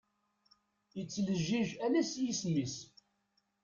Ittlejlij ala s yisem-is.